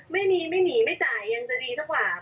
ไม่หนีไม่จ่ายยังจะดีสักหวับ